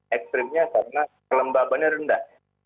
ekstrimnya karena kelembabannya rendah